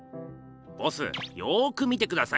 ボスよく見てください。